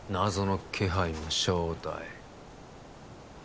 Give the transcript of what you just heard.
謎の気配の正体